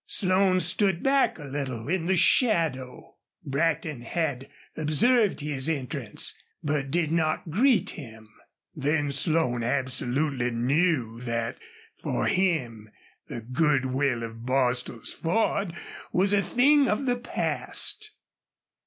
Slone stood back a little in the shadow. Brackton had observed his entrance, but did not greet him. Then Slone absolutely knew that for him the good will of Bostil's Ford was a thing of the past.